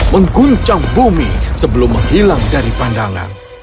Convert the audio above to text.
mengguncang bumi sebelum menghilang dari pandangan